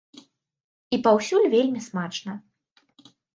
І паўсюль вельмі смачна.